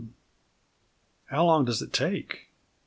How long does it take?